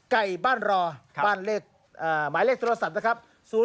ไก่บ้านรอบ้านเลขหมายเลขโทรศัพท์นะครับ